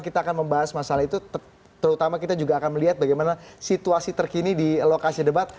kita akan membahas masalah itu terutama kita juga akan melihat bagaimana situasi terkini di lokasi debat